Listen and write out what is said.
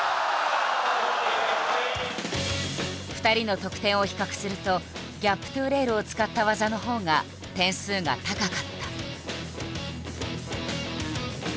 ２人の得点を比較すると「ギャップｔｏレール」を使った技のほうが点数が高かった。